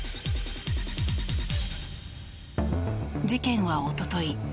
事件はおととい